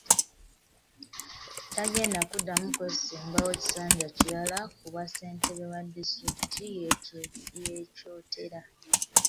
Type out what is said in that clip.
Ttagenda kuddamu kwesimbawo kisanja kirala ku bwassentebe bwa disitulikiti y'e Kyotera.